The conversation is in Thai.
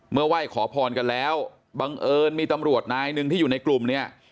ไหว้ขอพรกันแล้วบังเอิญมีตำรวจนายหนึ่งที่อยู่ในกลุ่มเนี่ย